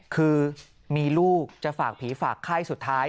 คือมีลูกจะฝากผีฝากไข้สุดท้าย